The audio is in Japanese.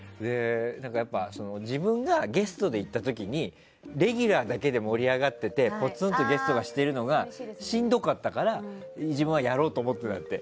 やっぱ自分がゲストで行った時にレギュラーだけで盛り上がっててポツンとゲストがしているのがしんどかったから自分はやろうと思ったんだって。